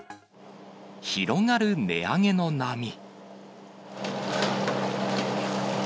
広がる値上げの波。